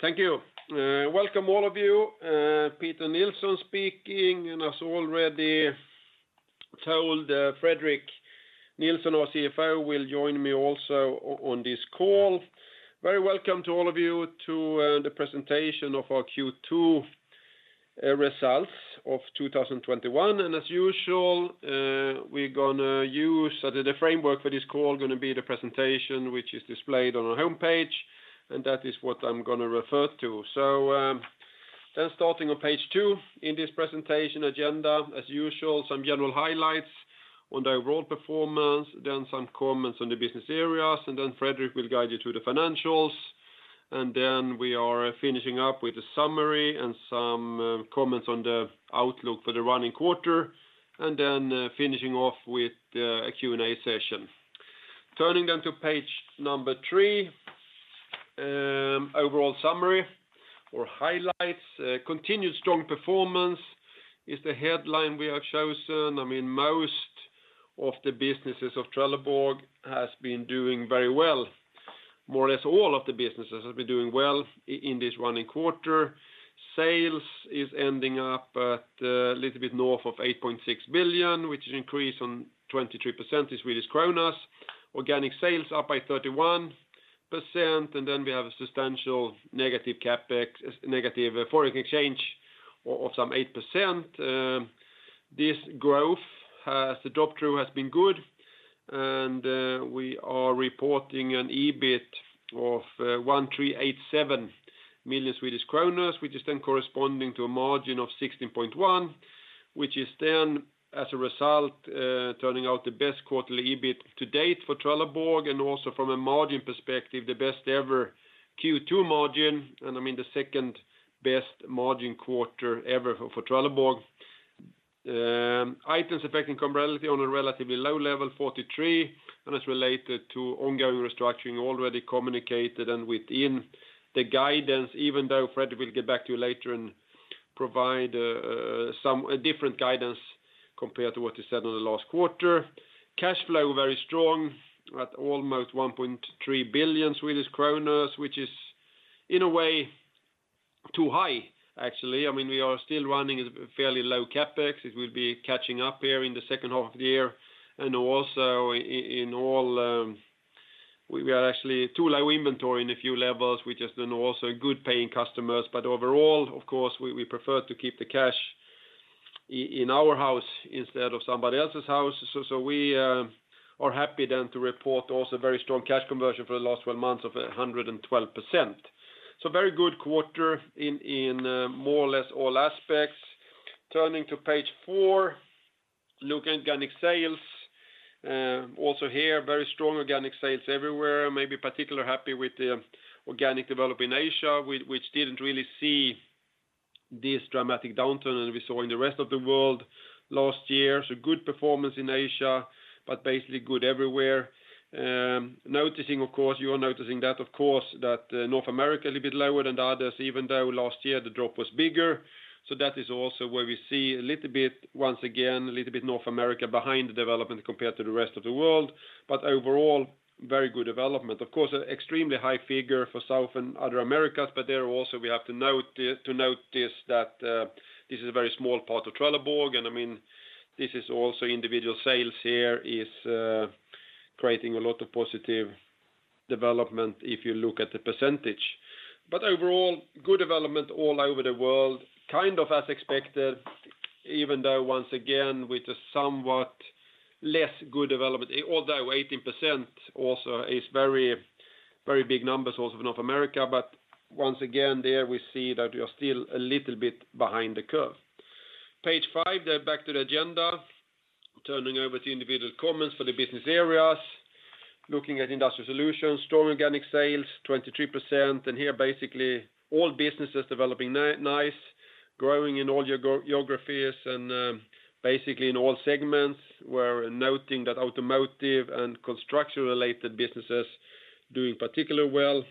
Thank you. Welcome all of you. Peter Nilsson speaking. As already told, Fredrik Nilsson, our CFO, will join me also on this call. Very welcome to all of you to the presentation of our Q2 results of 2021. As usual, we gonna use the framework for this call going to be the presentation which is displayed on our homepage, and that is what I'm going to refer to. Starting on page two in this presentation agenda, as usual, some general highlights on the overall performance, then some comments on the business areas, and then Fredrik will guide you through the financials. We are finishing up with a summary and some comments on the outlook for the running quarter, and then finishing off with a Q&A session. Turning to page number three, overall summary or highlights. Continued strong performance is the headline we have chosen. Most of the businesses of Trelleborg has been doing very well. More or less all of the businesses have been doing well in this running quarter. Sales is ending up at a little bit north of 8.6 billion, which is an increase on 23% in Swedish krona. Organic sales up by 31%, and then we have a substantial negative foreign exchange of some 8%. This growth as the drop-through has been good, and we are reporting an EBIT of 1,387 million Swedish kronor, which is then corresponding to a margin of 16.1%, which is then as a result, turning out the best quarterly EBIT to date for Trelleborg, and also from a margin perspective, the best ever Q2 margin, and the second-best margin quarter ever for Trelleborg. Items affecting comparability on a relatively low level, 43. It's related to ongoing restructuring already communicated and within the guidance, even though Fredrik will get back to you later and provide a some different guidance compared to what he said on the last quarter. Cash flow very strong at almost 1.3 billion Swedish kronor, which is in a way too high, actually. We are still running a fairly low CapEx. It will be catching up here in the second half of the year. We are actually too low inventory in a few levels, which is then also good paying customers. Overall, of course, we prefer to keep the cash in our house instead of somebody else's house. We are happy then to report also very strong cash conversion for the last 12 months of 112%. Very good quarter in more or less all aspects. Turning to page four, look at organic sales. Here, very strong organic sales everywhere, maybe particular happy with the organic development in Asia, which didn't really see this dramatic downturn that we saw in the rest of the world last year. Good performance in Asia, but basically good everywhere. You are noticing that, of course, that North America a little bit lower than the others, even though last year the drop was bigger. That is also where we see, once again, a little bit North America behind the development compared to the rest of the world. Overall, very good development. Of course, extremely high figure for South and other Americas, but there also we have to notice that this is a very small part of Trelleborg, and this is also individual sales here is creating a lot of positive development if you look at the percentage. Overall, good development all over the world, kind of as expected, even though, once again, with a somewhat less good development, although 18% also is very big numbers also for North America. Once again, there we see that we are still a little bit behind the curve. Page five, back to the agenda. Turning over to individual comments for the business areas. Looking at Industrial Solutions, strong organic sales, 23%. Here, basically all businesses developing nice, growing in all geographies and basically in all segments. We're noting that automotive and construction related businesses doing particularly well.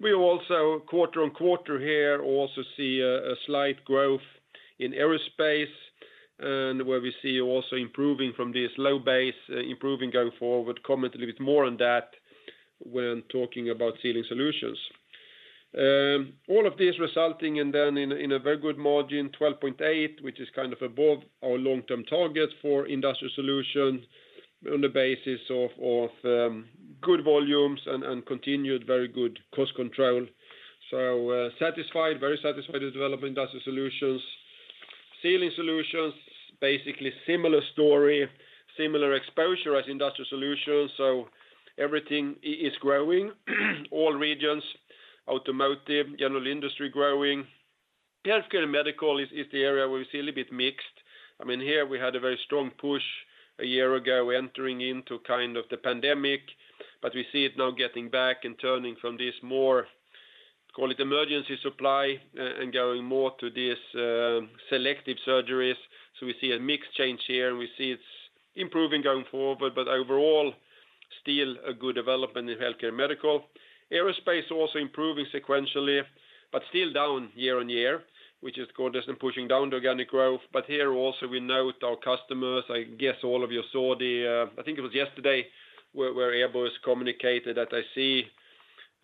We also quarter-on-quarter here also see a slight growth in aerospace, and where we see also improving from this low base, improving going forward. Comment a little bit more on that when talking about Sealing Solutions. All of this resulting in then in a very good margin, 12.8%, which is kind of above our long-term target for Industrial Solutions on the basis of good volumes and continued very good cost control. Very satisfied with the development of Industrial Solutions. Sealing Solutions, basically similar story, similar exposure as Industrial Solutions. Everything is growing. All regions, automotive, general industry growing. Healthcare and medical is the area where we see a little bit mixed. Here we had a very strong push a year ago entering into kind of the pandemic. We see it now getting back and turning from this more, call it emergency supply, and going more to these selective surgeries. We see a mix change here. We see it's improving going forward. Overall, still a good development in healthcare and medical. Aerospace also improving sequentially, but still down year-over-year, which of course, isn't pushing down the organic growth. Here also we note our customers, I guess all of you saw the, I think it was yesterday, where Airbus communicated that they see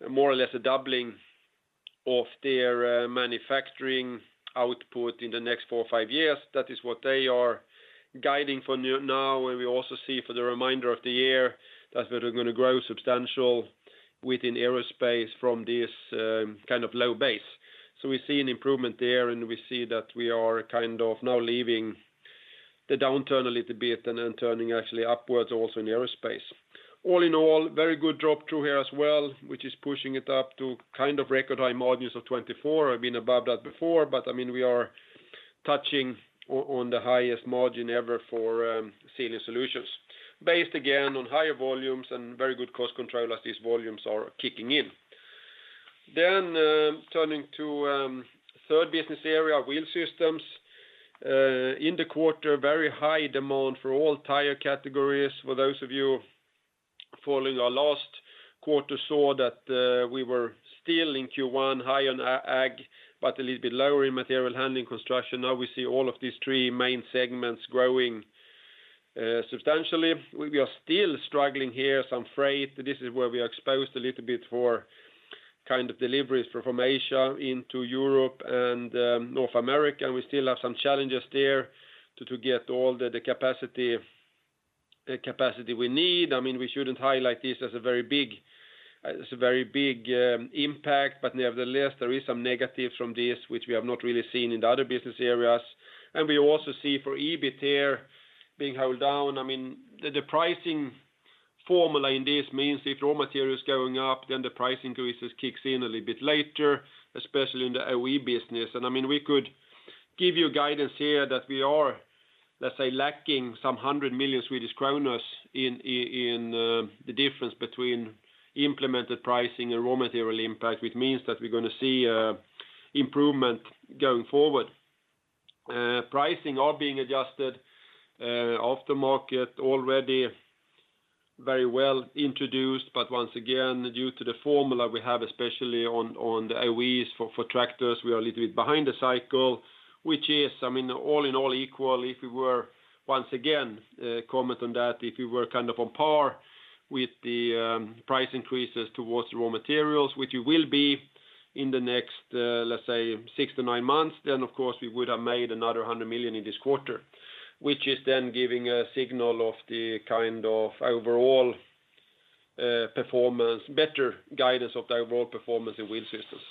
more or less a doubling of their manufacturing output in the next four or five years. That is what they are guiding for now, and we also see for the remainder of the year that we're going to grow substantially within aerospace from this kind of low base. We see an improvement there, and we see that we are kind of now leaving the downturn a little bit and then turning actually upwards also in aerospace. All in all, very good drop-through here as well, which is pushing it up to kind of record high margins of 24, have been above that before, but we are touching on the highest margin ever for Sealing Solutions. Based, again, on higher volumes and very good cost control as these volumes are kicking in. Turning to third business area, Wheel Systems. In the quarter, very high demand for all tire categories. For those of you following our last quarter saw that we were still in Q1, high on agriculture, but a little bit lower in material handling construction. Now we see all of these three main segments growing substantially. We are still struggling here, some freight. This is where we are exposed a little bit for kind of deliveries from Asia into Europe and North America. We still have some challenges there to get all the capacity we need. Nevertheless, there is some negatives from this, which we have not really seen in the other business areas. We also see for EBIT here being held down. The pricing formula in this means if raw material is going up, the price increases kicks in a little bit later, especially in the original equipment business. We could give you guidance here that we are, let's say, lacking some 100 million Swedish kronor in the difference between implemented pricing and raw material impact, which means that we're going to see improvement going forward. Pricing are being adjusted, aftermarket already very well introduced, but once again, due to the formula we have, especially on the OEs for tractors, we are a little bit behind the cycle. Which is, all in all equal, if we were, once again, comment on that, if we were kind of on par with the price increases towards the raw materials, which we will be in the next, let's say, six to nine months, then of course, we would have made another 100 million in this quarter. Which is then giving a signal of the kind of overall performance, better guidance of the overall performance in Wheel Systems.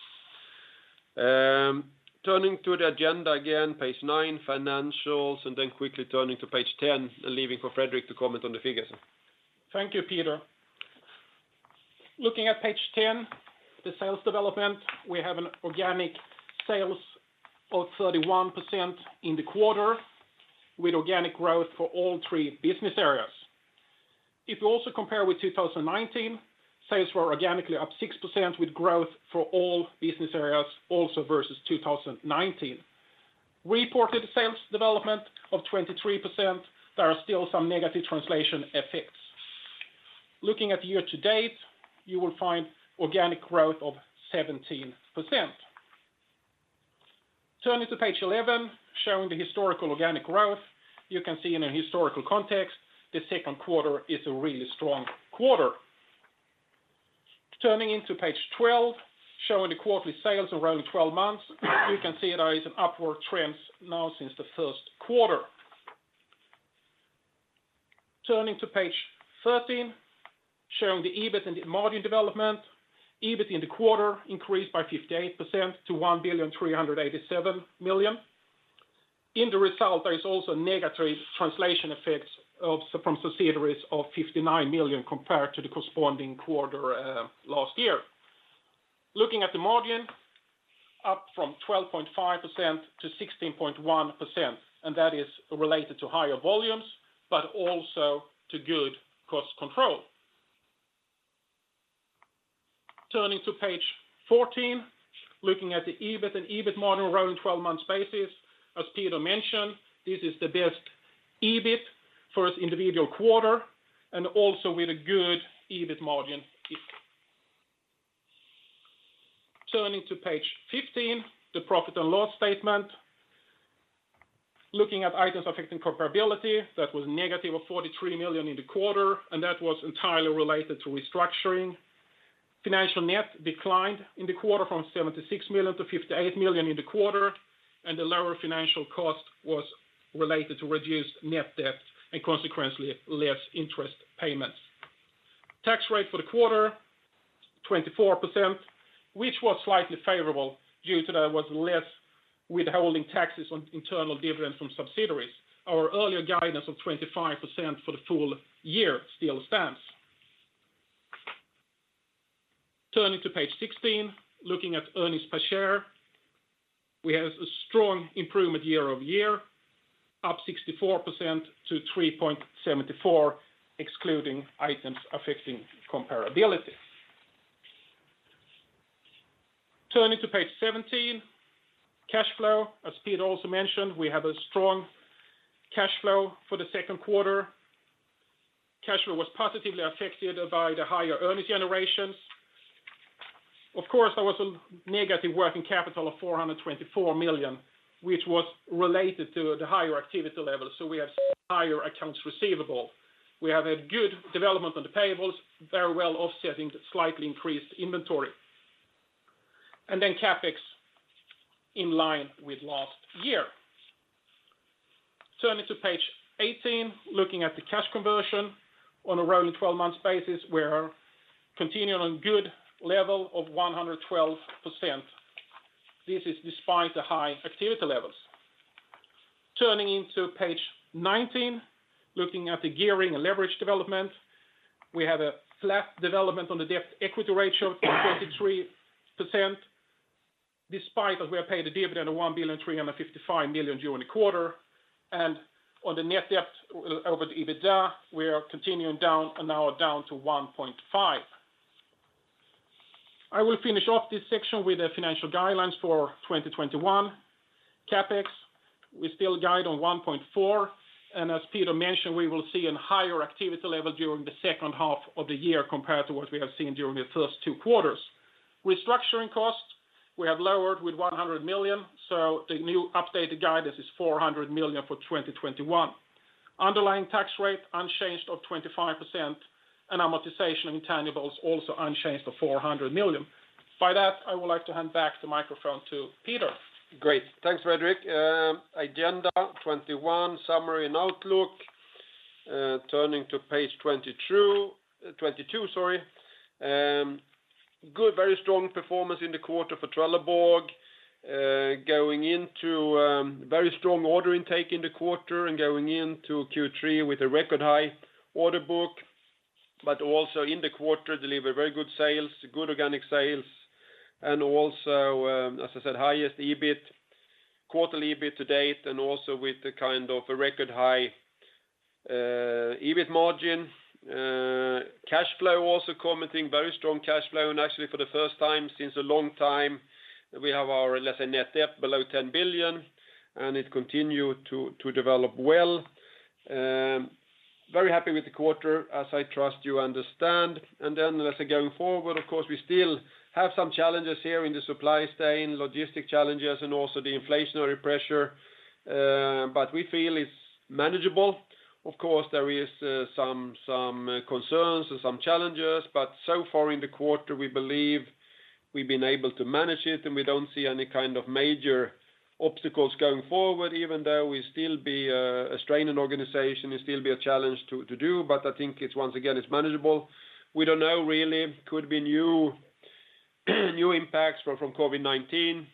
Turning to the agenda again, page nine, financials, and then quickly turning to page 10, leaving for Fredrik Nilsson to comment on the figures. Thank you, Peter. Looking at page 10, the sales development, we have an organic sales of 31% in the quarter, with organic growth for all three business areas. If you also compare with 2019, sales were organically up 6% with growth for all business areas also versus 2019. Reported sales development of 23%, there are still some negative translation effects. Looking at year to date, you will find organic growth of 17%. Turning to page 11, showing the historical organic growth. You can see in a historical context, the second quarter is a really strong quarter. Turning into page 12, showing the quarterly sales around 12 months, you can see there is an upward trend now since the first quarter. Turning to page 13, showing the EBIT and the margin development. EBIT in the quarter increased by 58% to 1,387 million. In the result, there is also negative translation effects from subsidiaries of 59 million compared to the corresponding quarter last year. Looking at the margin, up from 12.5% to 16.1%, That is related to higher volumes, but also to good cost control. Turning to page 14, looking at the EBIT and EBIT margin around 12-month basis. As Peter mentioned, this is the best EBIT for its individual quarter and also with a good EBIT margin. Turning to page 15, the profit and loss statement. Looking at items affecting comparability, that was negative of 43 million in the quarter, That was entirely related to restructuring. Financial net declined in the quarter from 76 million to 58 million in the quarter, The lower financial cost was related to reduced net debt and consequently less interest payments. Tax rate for the quarter, 24%, which was slightly favorable due to there was less withholding taxes on internal dividends from subsidiaries. Our earlier guidance of 25% for the full year still stands. Turning to page 16, looking at earnings per share. We have a strong improvement year-over-year, up 64% to 3.74, excluding items affecting comparability. Turning to page 17, cash flow. As Peter also mentioned, we have a strong cash flow for the second quarter. Cash flow was positively affected by the higher earnings generations. Of course, there was a negative working capital of 424 million, which was related to the higher activity level, so we have some higher accounts receivable. We have a good development on the payables, very well offsetting the slightly increased inventory. CapEx in line with last year. Turning to page 18, looking at the cash conversion on a rolling 12 months basis, we are continuing on good level of 112%. This is despite the high activity levels. Turning into page 19, looking at the gearing and leverage development. We have a flat development on the debt equity ratio of 43%, despite that we have paid a dividend of 1,355 million during the quarter. On the net debt over the EBITDA, we are continuing down and now down to 1.5x. I will finish off this section with the financial guidelines for 2021. CapEx, we still guide on 1.4 billion, and as Peter mentioned, we will see an higher activity level during the second half of the year compared to what we have seen during the first two quarters. Restructuring costs, we have lowered with 100 million, the new updated guidance is 400 million for 2021. Underlying tax rate unchanged of 25%. Amortization and intangibles also unchanged to 400 million. By that, I would like to hand back the microphone to Peter. Great. Thanks, Fredrik. Agenda 2021 summary and outlook. Turning to page 22. Good, very strong performance in the quarter for Trelleborg. Very strong order intake in the quarter going into Q3 with a record high order book, also in the quarter deliver very good sales, good organic sales, and also, as I said, highest quarterly EBIT to date and also with the kind of a record high EBIT margin. Cash flow also commenting. Very strong cash flow. Actually, for the first time since a long time, we have our, let's say, net debt below 10 billion, it continue to develop well. Very happy with the quarter, as I trust you understand. As we're going forward, of course, we still have some challenges here in the supply chain, logistic challenges, and also the inflationary pressure. We feel it's manageable. Of course, there is some concerns and some challenges, but so far in the quarter, we believe we've been able to manage it, and we don't see any kind of major obstacles going forward, even though we still be a strained organization and still be a challenge to do. I think, once again, it's manageable. We don't know really. Could be new impacts from COVID-19.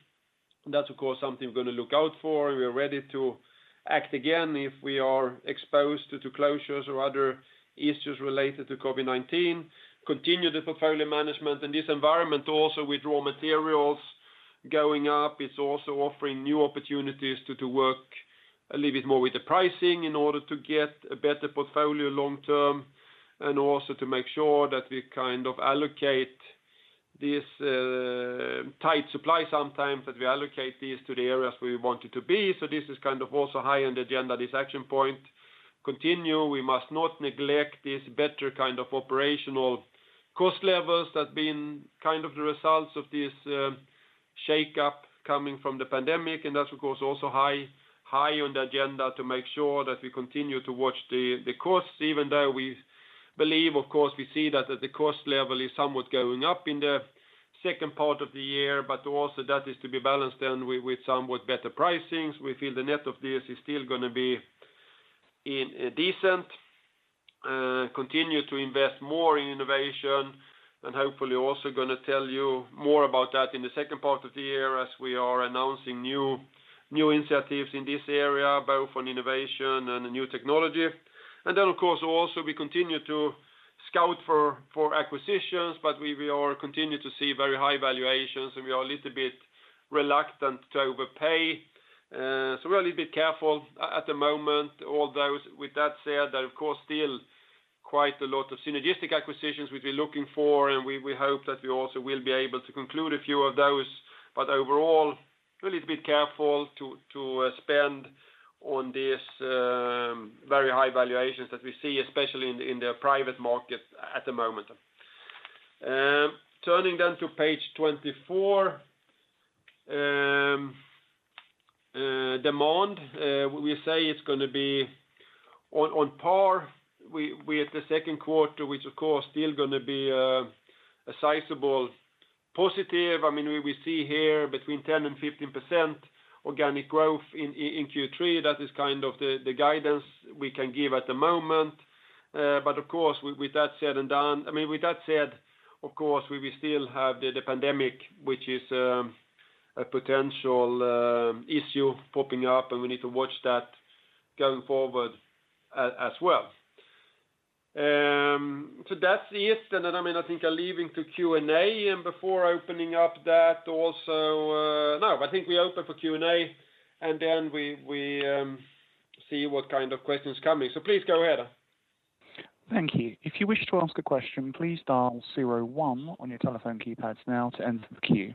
That's of course, something we're going to look out for. We are ready to act again if we are exposed to closures or other issues related to COVID-19. Continue the portfolio management in this environment also with raw materials going up. It's also offering new opportunities to work a little bit more with the pricing in order to get a better portfolio long term, and also to make sure that we kind of allocate this tight supply sometimes, that we allocate this to the areas where we want it to be. This is kind of also high on the agenda, this action point. Continue. We must not neglect this better kind of operational cost levels that have been kind of the results of this shakeup coming from the pandemic. That's, of course, also high on the agenda to make sure that we continue to watch the costs, even though we believe, of course, we see that the cost level is somewhat going up in the second part of the year. Also that is to be balanced then with somewhat better pricings. We feel the net of this is still going to be in a decent. Continue to invest more in innovation, hopefully also going to tell you more about that in the second part of the year as we are announcing new initiatives in this area, both on innovation and the new technology. Then, of course, also we continue to scout for acquisitions, we continue to see very high valuations, and we are a little bit reluctant to overpay. We're a little bit careful at the moment. With that said, of course, still quite a lot of synergistic acquisitions we've been looking for, and we hope that we also will be able to conclude a few of those. Overall, a little bit careful to spend on these very high valuations that we see, especially in the private market at the moment. Turning to page 24. Demand, we say it's going to be on par with the second quarter, which, of course, still going to be a sizable positive. We see here between 10% and 15% organic growth in Q3. That is kind of the guidance we can give at the moment. Of course, with that said, of course, we will still have the pandemic, which is a potential issue popping up, and we need to watch that going forward as well. That's it. I think I'll leave it to Q&A. I think we open for Q&A, and then we see what kind of questions coming. Please go ahead. Thank you. If you wish to ask a question, please press star zero one on your telephone keypad now to enter the queue.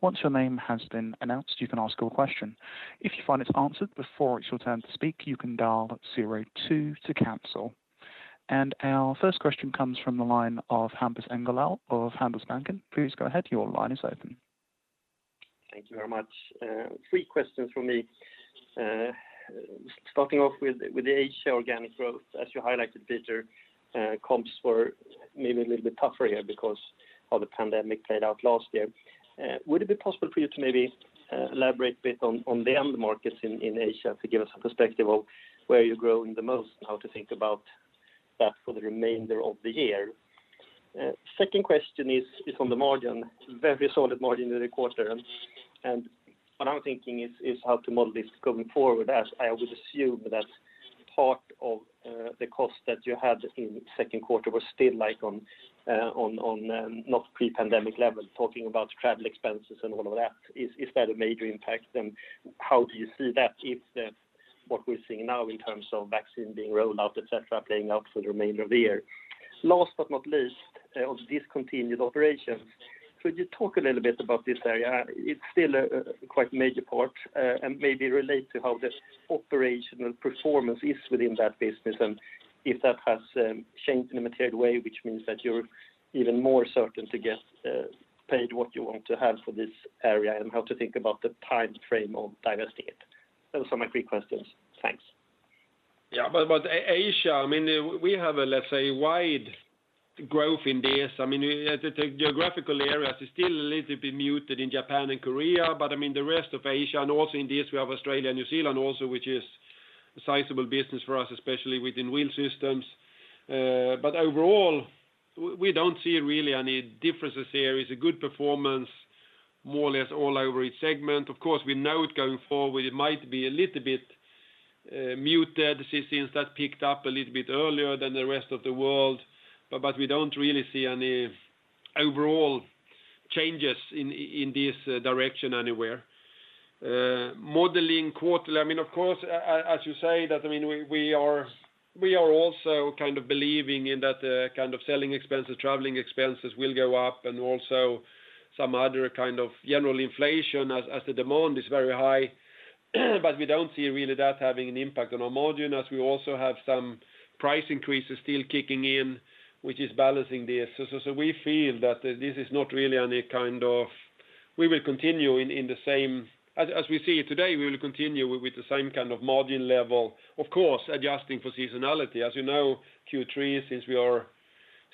Once your name has been announced, you can ask your question. If you find it's answered before it's your turn to speak, you can dial up zero two to cancel. Our first question comes from the line of Hampus Engellau of Handelsbanken. Please go ahead. Your line is open Thank you very much. Three questions from me. Starting off with the Asia organic growth, as you highlighted, Peter, comps for maybe a little bit tougher here because of how the pandemic played out last year. Would it be possible for you to maybe elaborate a bit on the end markets in Asia to give us a perspective of where you're growing the most and how to think about that for the remainder of the year? Second question is on the margin. Very solid margin in the quarter, and what I'm thinking is how to model this going forward, as I would assume that part of the cost that you had in the second quarter was still on not pre-pandemic levels, talking about travel expenses and all of that. Is that a major impact, and how do you see that if what we're seeing now in terms of vaccine being rolled out, et cetera, playing out for the remainder of the year? Last but not least, on discontinued operations. Could you talk a little bit about this area? It's still a quite major part, and maybe relate to how the operational performance is within that business and if that has changed in a material way, which means that you're even more certain to get paid what you want to have for this area, and how to think about the timeframe of divesting it? Those are my three questions. Thanks. Yeah. About Asia, we have a, let's say, wide growth in this. The geographical areas is still a little bit muted in Japan and Korea. The rest of Asia, and also in this, we have Australia and New Zealand also, which is a sizable business for us, especially within Wheel Systems. Overall, we don't see really any differences here. It's a good performance, more or less all over each segment. Of course, we know it going forward, it might be a little bit muted since that picked up a little bit earlier than the rest of the world. We don't really see any overall changes in this direction anywhere. Modeling quarter, of course, as you say, that we are also kind of believing in that kind of selling expenses, traveling expenses will go up and also some other kind of general inflation as the demand is very high. We don't see really that having an impact on our margin, as we also have some price increases still kicking in, which is balancing this. We feel that this is not really any kind of, as we see it today, we will continue with the same kind of margin level. Of course, adjusting for seasonality. As you know, Q3, since we are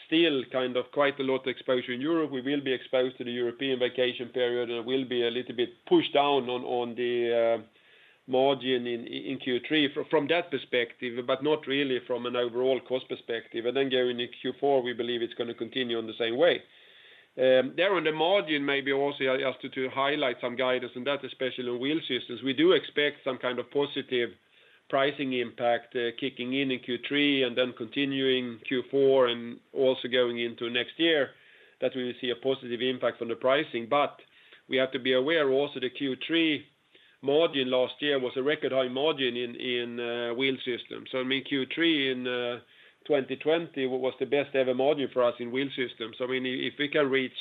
still kind of quite a lot exposure in Europe, we will be exposed to the European vacation period, and it will be a little bit pushed down on the margin in Q3 from that perspective, but not really from an overall cost perspective. Then going into Q4, we believe it's going to continue in the same way. There on the margin, maybe also I asked you to highlight some guidance on that, especially on Wheel Systems. We do expect some kind of positive pricing impact kicking in in Q3 and then continuing Q4 and also going into next year that we will see a positive impact on the pricing. We have to be aware also the Q3 margin last year was a record high margin in Wheel Systems. Q3 in 2020 was the best ever margin for us in Wheel Systems. If we can reach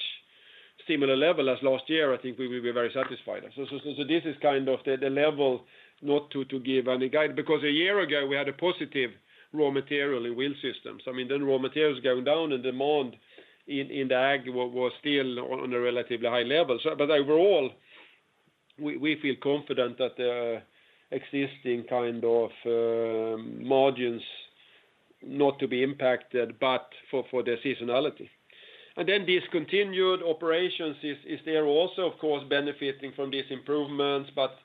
similar level as last year, I think we will be very satisfied. This is kind of the level not to give any guide, because a year ago, we had a positive raw material in Wheel Systems. Raw materials going down and demand in the agriculture was still on a relatively high level. Overall, we feel confident that the existing kind of margins not to be impacted, but for the seasonality. Discontinued operations is there also, of course, benefiting from these improvements, but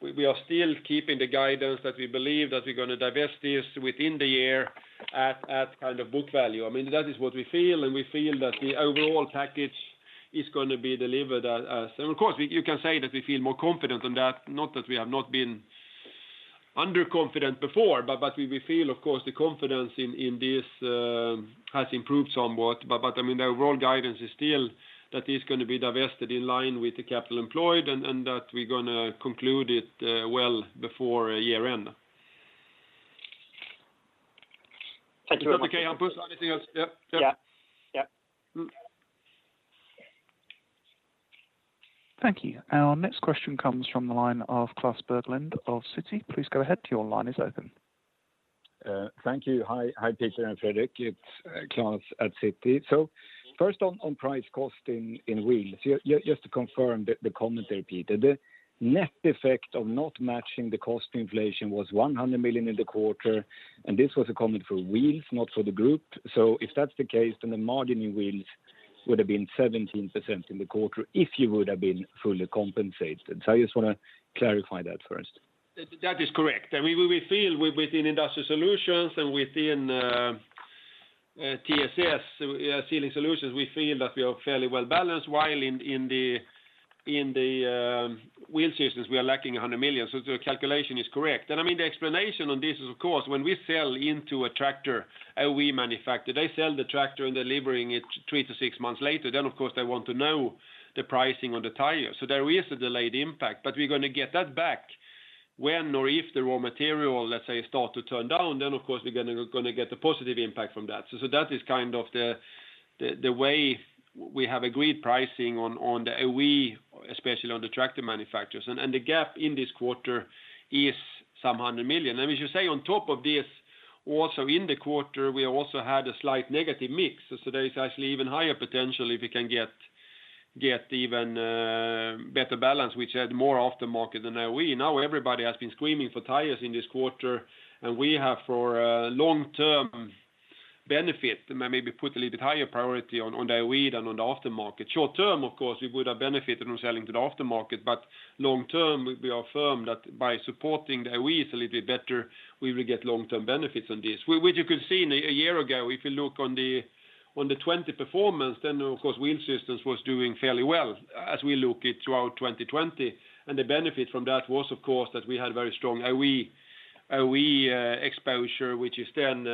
we are still keeping the guidance that we believe that we are going to divest this within the year at kind of book value. That is what we feel, and we feel that the overall package is going to be delivered. Of course, you can say that we feel more confident on that, not that we have not been under-confident before, but we feel, of course, the confidence in this has improved somewhat. The overall guidance is still that it's going to be divested in line with the capital employed, and that we're going to conclude it well before year-end. Thank you very much. Is that okay, Hampus? Anything else? Yeah. Thank you. Our next question comes from the line of Klas Bergelind of Citi. Please go ahead, your line is open. Thank you. Hi, Peter and Fredrik. It's Klas Bergelind at Citi. First on price costing in Wheels. Just to confirm the commentary, Peter. The net effect of not matching the cost inflation was 100 million in the quarter, and this was a comment for Wheels, not for the group. If that's the case, then the margin in Wheels would have been 17% in the quarter if you would have been fully compensated. I just want to clarify that first. That is correct. We feel within Industrial Solutions and within TSS, Sealing Solutions, we feel that we are fairly well-balanced, while in the Wheel Systems, we are lacking 100 million. The calculation is correct. The explanation on this is, of course, when we sell into a tractor OE manufacturer, they sell the tractor and delivering it three to six months later. Of course, they want to know the pricing on the tire. There is a delayed impact, but we're going to get that back when or if the raw material, let's say, start to turn down, of course, we're going to get the positive impact from that. That is kind of the way we have agreed pricing on the OE, especially on the tractor manufacturers. The gap in this quarter is some 100 million. We should say on top of this. Also in the quarter, we also had a slight negative mix. There is actually even higher potential if we can get even better balance, which had more aftermarket than OE. Everybody has been screaming for tires in this quarter, and we have for long-term benefit, maybe put a little bit higher priority on the OE than on the aftermarket. Short term, of course, we would have benefited from selling to the aftermarket, but long term, we are firm that by supporting the OE a little bit better, we will get long-term benefits on this. You could see in a year ago, if you look on the 2020 performance, of course, Wheel Systems was doing fairly well as we look it throughout 2020. The benefit from that was of course that we had very strong OE exposure, which is then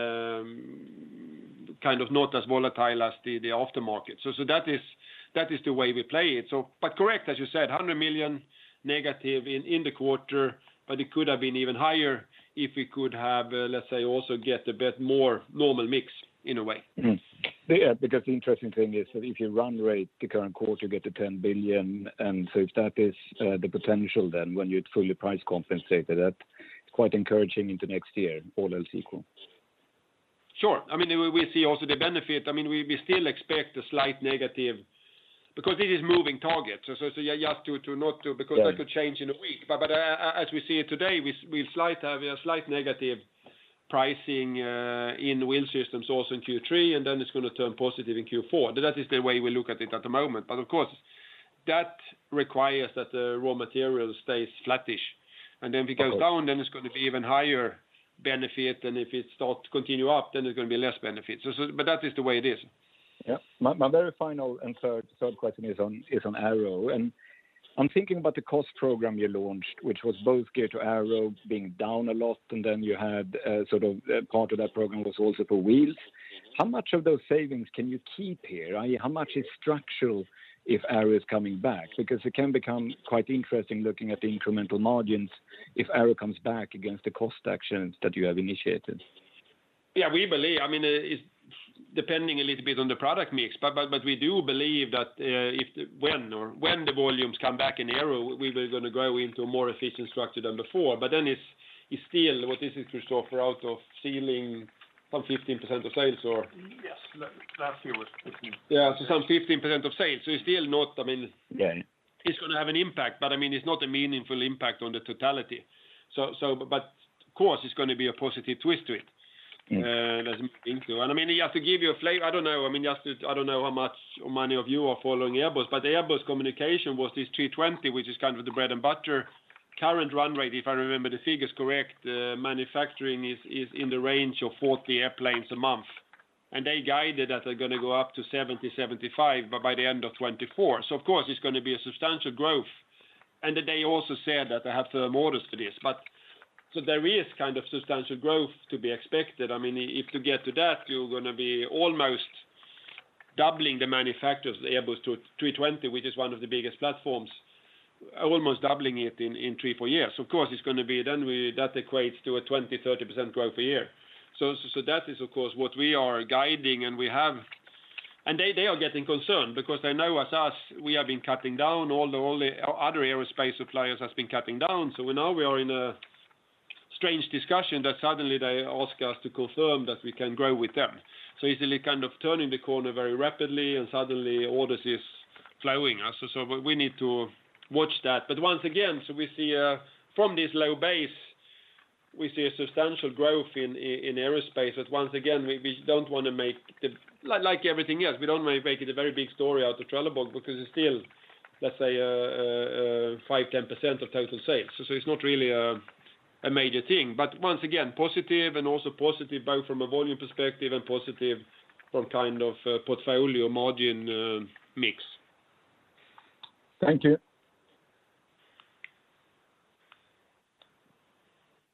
kind of not as volatile as the aftermarket. That is the way we play it. Correct, as you said, 100 million negative in the quarter, but it could have been even higher if we could have, let's say, also get a bit more normal mix in a way. Yeah, because the interesting thing is that if you run rate the current quarter, you get to 10 billion. If that is the potential then when you'd fully price compensated, that's quite encouraging into next year, all else equal. Sure. We see also the benefit. We still expect a slight negative, because it is moving targets. That could change in a week. As we see it today, we have a slight negative pricing in Wheel Systems also in Q3, and then it's going to turn positive in Q4. That is the way we look at it at the moment. Of course, that requires that the raw material stays flattish. If it goes down, then it's going to be even higher benefit, than if it start to continue up, then there's going to be less benefit. That is the way it is. Yeah. My very final and third question is on Aero. And I'm thinking about the cost program you launched, which was both geared to Aero being down a lot, and then you had sort of part of that program was also for Wheels. How much of those savings can you keep here? How much is structural if Aero is coming back? Because it can become quite interesting looking at the incremental margins if Aero comes back against the cost actions that you have initiated. Yeah. We do believe that when the volumes come back in Aero, we are going to go into a more efficient structure than before. It's still, what is it, [Kristoffer, around] or ceiling some 15% of sales or. Yeah. Some 15% of sales. It's going to have an impact, but it's not a meaningful impact on the totality. Of course, it's going to be a positive twist to it as an inflow. Just to give you a flavor, I don't know how much or many of you are following Airbus, but the Airbus communication was this A320, which is kind of the bread and butter. Current run rate, if I remember the figures correct, manufacturing is in the range of 40 airplanes a month. They guided that they're going to go up to 70-75, but by the end of 2024. Of course, it's going to be a substantial growth. They also said that they have firm orders for this. There is kind of substantial growth to be expected. If you get to that, you're going to be almost doubling the manufacture of the Airbus A320, which is one of the biggest platforms, almost doubling it in three, four years. Of course, that equates to a 20%-30% growth a year. That is, of course, what we are guiding and we have. They are getting concerned because they know as us, we have been cutting down, all the other aerospace suppliers has been cutting down. Now we are in a strange discussion that suddenly they ask us to confirm that we can grow with them. Easily kind of turning the corner very rapidly, and suddenly orders is flowing. We need to watch that. Once again, from this low base, we see a substantial growth in aerospace. Once again, like everything else, we don't want to make it a very big story out of Trelleborg because it's still, let's say, 5%-10% of total sales. It's not really a major thing, once again, positive and also positive both from a volume perspective and positive from kind of portfolio margin mix. Thank you.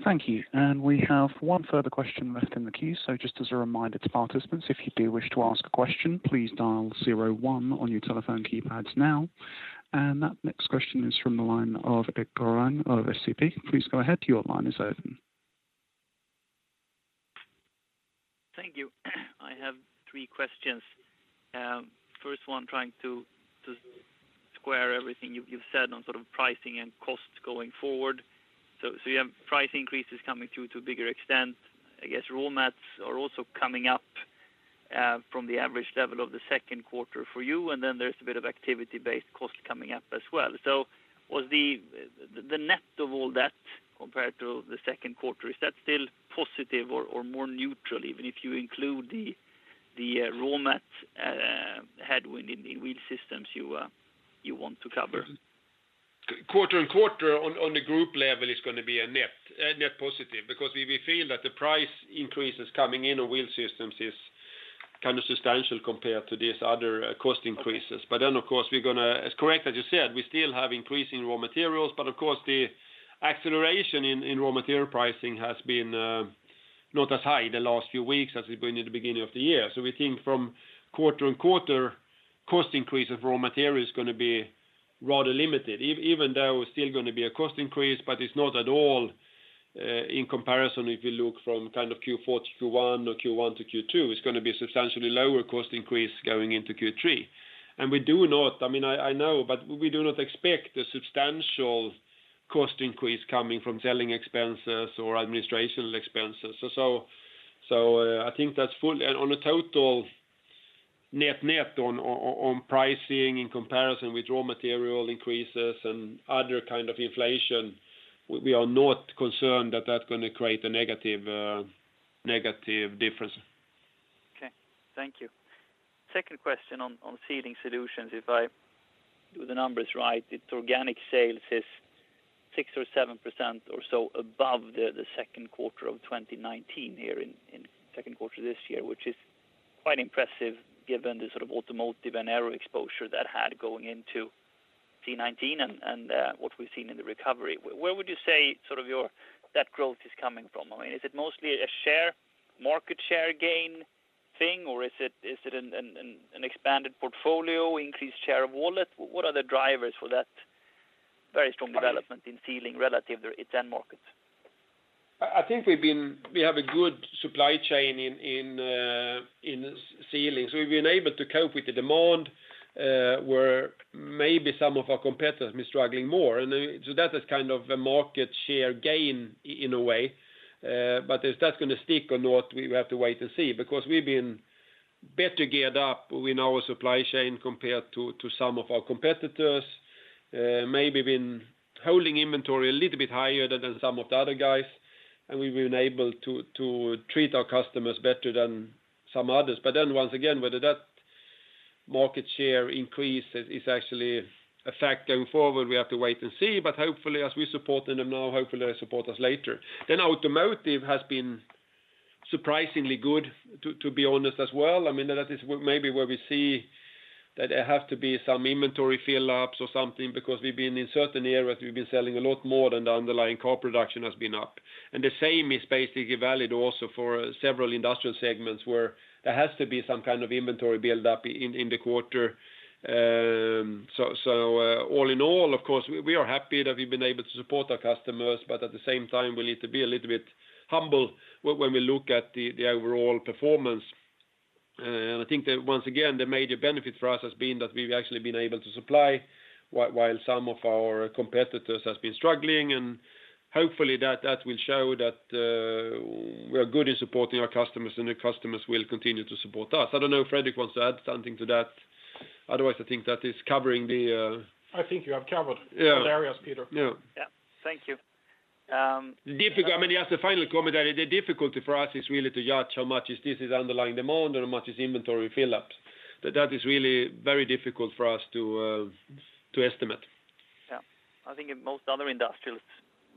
Thank you. We have one further question left in the queue. Just as a reminder to participants, if you do wish to ask a question, please dial zero one on your telephone keypads now. That next question is from the line of Erik Golrang of SEB. Please go ahead. Your line is open. Thank you. I have three questions. First one, trying to square everything you've said on sort of pricing and costs going forward. You have price increases coming through to a bigger extent. I guess raw mats are also coming up from the average level of the second quarter for you, and then there's a bit of activity-based cost coming up as well. Was the net of all that compared to the second quarter, is that still positive or more neutral, even if you include the raw mat headwind in Wheel Systems you want to cover? Quarter-on-quarter on the group level is going to be a net positive because we feel that the price increases coming in on Wheel Systems is kind of substantial compared to these other cost increases. Of course, it's correct that you said we still have increasing raw materials, of course the acceleration in raw material pricing has been not as high the last few weeks as we've been in the beginning of the year. We think from quarter-on-quarter, cost increase of raw material is going to be rather limited, even though it's still going to be a cost increase, it's not at all in comparison, if you look from kind of Q4 to Q1 or Q1 to Q2, it's going to be substantially lower cost increase going into Q3. We do not expect a substantial cost increase coming from selling expenses or administrational expenses. I think that's full. On a total net on pricing in comparison with raw material increases and other kind of inflation, we are not concerned that that's going to create a negative difference. Okay. Thank you. Second question on Sealing Solutions, if I do the numbers right, its organic sales is 6% or 7% or so above the second quarter of 2019 here in second quarter this year, which is quite impressive given the sort of automotive and air exposure that had going into C-19 and what we've seen in the recovery. Where would you say that growth is coming from? Is it mostly a market share gain thing, or is it an expanded portfolio, increased share of wallet? What are the drivers for that very strong development in Sealing relative to its end markets? I think we have a good supply chain in Sealing Solutions. We've been able to cope with the demand, where maybe some of our competitors have been struggling more. That is kind of a market share gain in a way. If that's going to stick or not, we have to wait and see, because we've been better geared up in our supply chain compared to some of our competitors. Maybe been holding inventory a little bit higher than some of the other guys. We've been able to treat our customers better than some others. Once again, whether that market share increase is actually a fact going forward, we have to wait and see. Hopefully, as we're supporting them now, hopefully they support us later. Automotive has been surprisingly good, to be honest, as well. That is maybe where we see that there have to be some inventory fill-ups or something because we've been in certain areas we've been selling a lot more than the underlying car production has been up. The same is basically valid also for several industrial segments where there has to be some kind of inventory build-up in the quarter. All in all, of course, we are happy that we've been able to support our customers. At the same time, we need to be a little bit humble when we look at the overall performance. I think that once again, the major benefit for us has been that we've actually been able to supply while some of our competitors have been struggling, and hopefully that will show that we're good in supporting our customers and the customers will continue to support us. I don't know if Fredrik wants to add something to that. Otherwise, I think that is covering the. I think you have covered all areas, Peter. Yeah. Yeah. Thank you. As the final comment, the difficulty for us is really to judge how much this is underlying demand or how much is inventory fill-ups. That is really very difficult for us to estimate. Yeah. I think in most other industrials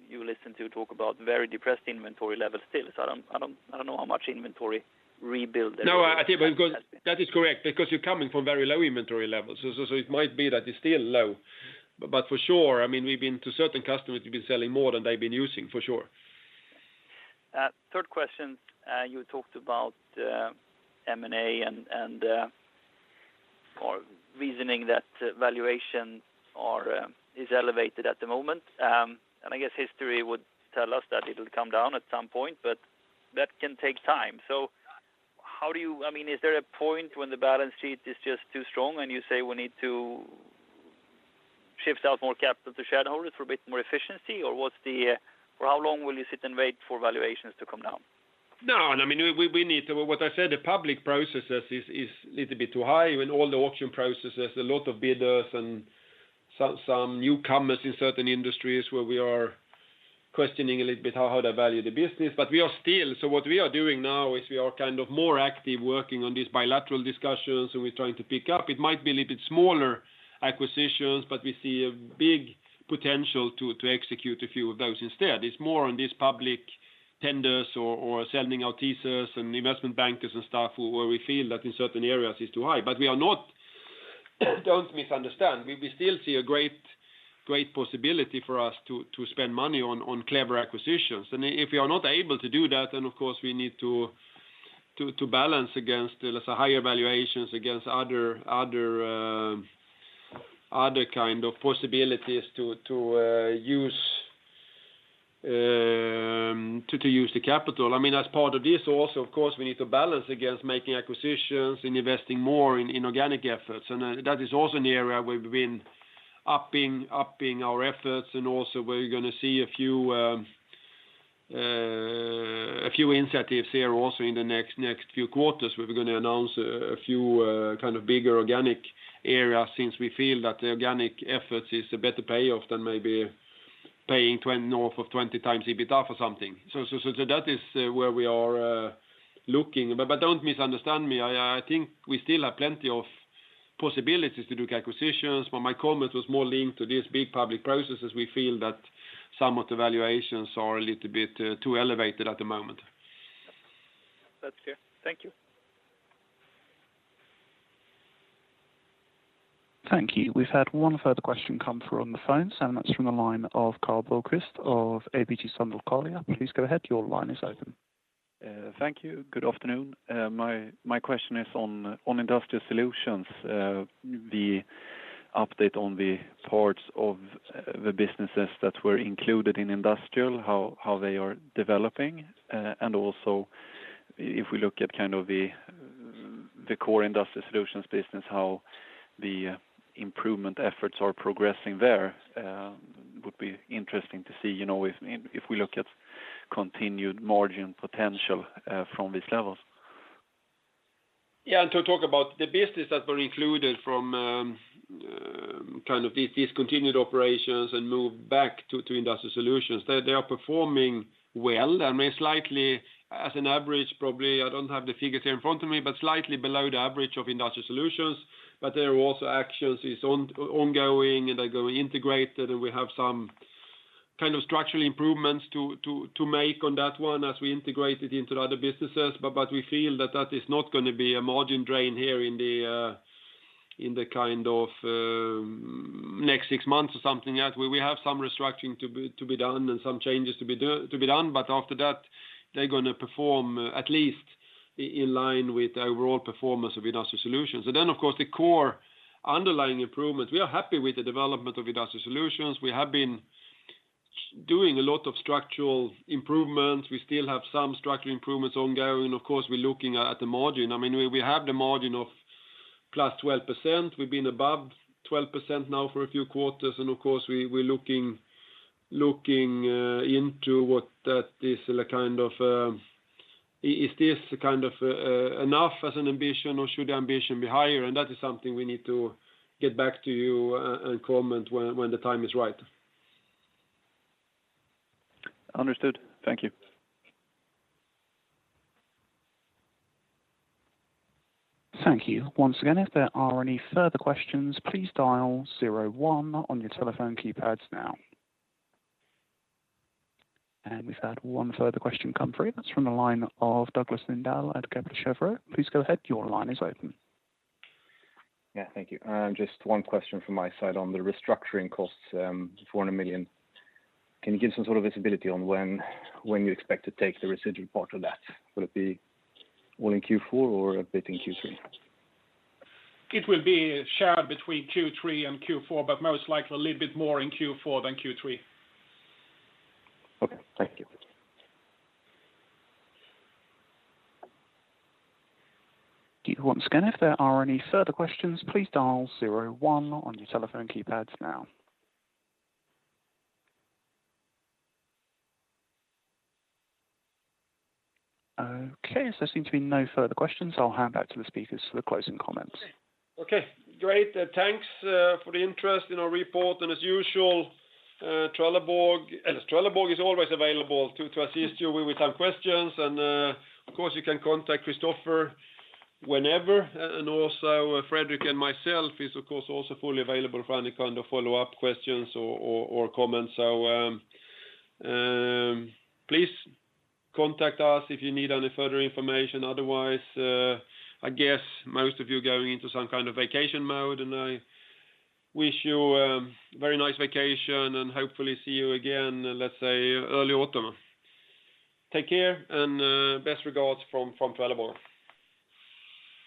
you listen to talk about very depressed inventory levels still, so I don't know how much inventory rebuild. No, I think that is correct because you're coming from very low inventory levels. It might be that it's still low. For sure, to certain customers we've been selling more than they've been using, for sure. Third question, you talked about M&A and reasoning that valuation is elevated at the moment. I guess history would tell us that it'll come down at some point, but that can take time. Is there a point when the balance sheet is just too strong and you say we need to shift out more capital to shareholders for a bit more efficiency? How long will you sit and wait for valuations to come down? What I said, the public processes is little bit too high with all the auction processes, a lot of bidders and some newcomers in certain industries where we are questioning a little bit how they value the business. What we are doing now is we are kind of more active working on these bilateral discussions, and we're trying to pick up. It might be a little bit smaller acquisitions, but we see a big potential to execute a few of those instead. It's more on these public tenders or selling out teasers and investment bankers and stuff where we feel that in certain areas it's too high. Don't misunderstand me, we still see a great possibility for us to spend money on clever acquisitions. If we are not able to do that, then of course we need to balance against the higher valuations against other kind of possibilities to use the capital. As part of this also, of course, we need to balance against making acquisitions and investing more in organic efforts, and that is also an area where we've been upping our efforts and also where you're going to see a few initiatives here also in the next few quarters. We're going to announce a few kind of bigger organic areas since we feel that the organic efforts is a better payoff than maybe paying north of 20x EBITDA for something. That is where we are looking. Don't misunderstand me, I think we still have plenty of possibilities to do acquisitions, but my comment was more linked to these big public processes. We feel that some of the valuations are a little bit too elevated at the moment. That's fair. Thank you. Thank you. We've had one further question come through on the phone. That's from the line of Karl Bokvist of ABG Sundal Collier. Please go ahead. Your line is open. Thank you. Good afternoon. My question is on Industrial Solutions, the update on the parts of the businesses that were included in Industrial, how they are developing. Also if we look at the core Industrial Solutions business, how the improvement efforts are progressing there would be interesting to see, if we look at continued margin potential from these levels. To talk about the business that were included from these discontinued operations and moved back to Industry Solutions, they are performing well. Slightly as an average, probably, I don't have the figures here in front of me, slightly below the average of Industry Solutions, but there are also actions is ongoing, and they're going to integrate it, and we have some kind of structural improvements to make on that one as we integrate it into the other businesses. We feel that is not going to be a margin drain here in the next six months or something. We have some restructuring to be done and some changes to be done, but after that, they're going to perform at least in line with the overall performance of Industry Solutions. Of course, the core underlying improvements, we are happy with the development of Industrial Solutions. We have been doing a lot of structural improvements. We still have some structural improvements ongoing, of course, we're looking at the margin. We have the margin of +12%. We've been above 12% now for a few quarters, of course, we're looking into what that is. Is this enough as an ambition, or should the ambition be higher? That is something we need to get back to you and comment when the time is right. Understood. Thank you. Thank you. Once again, if there are any further questions, please dial zero one on your telephone keypads now. We've had one further question come through. That's from the line of Douglas Lindahl at Kepler Cheuvreux. Please go ahead. Your line is open. Yeah, thank you. Just one question from my side on the restructuring costs, 400 million. Can you give some sort of visibility on when you expect to take the residual part of that? Will it be all in Q4 or a bit in Q3? It will be shared between Q3 and Q4, but most likely a little bit more in Q4 than Q3. Okay. Thank you. Once again, if there are any further questions, please dial zero one on your telephone keypads now. Okay, there seem to be no further questions. I'll hand back to the speakers for the closing comments. Okay, great. Thanks for the interest in our report. As usual, Trelleborg is always available to assist you with any questions, and of course you can contact Kristoffer whenever, and also Fredrik and myself is of course also fully available for any kind of follow-up questions or comments. Please contact us if you need any further information. Otherwise, I guess most of you are going into some kind of vacation mode, and I wish you a very nice vacation, and hopefully see you again, let's say early autumn. Take care, and best regards from Trelleborg.